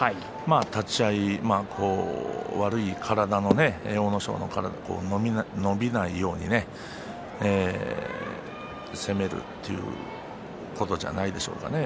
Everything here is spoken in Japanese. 立ち合い、悪い体の阿武咲伸びないように攻めるということじゃないでしょうかね。